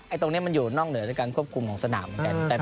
ไอ้ตรงนี้มันอยู่นอกเหนือกับการควบคุมของสนามเงี่ย